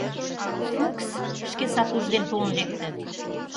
Фукс шке сатужо дене толын лекте.